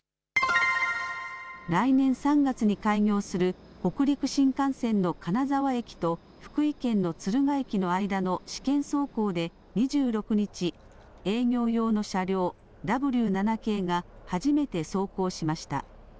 来年３月に開業する北陸新幹線の金沢駅と福井県の敦賀駅の間の試験走行で２６日、営業用の車両、Ｗ７系が初めて走行しました。